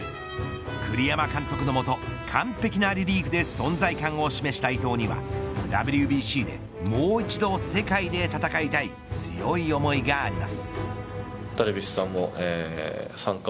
栗山監督の下完璧なリリーフで存在感を示した伊藤にはＷＢＣでもう一度世界で戦いたい強い思いがあります。